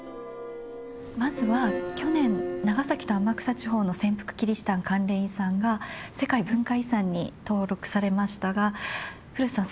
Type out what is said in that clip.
まずは去年長崎と天草地方の潜伏キリシタン関連遺産が世界文化遺産に登録されましたが古巣さん